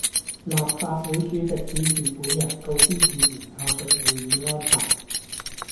立法會主席指示本人告知議員下述會議安排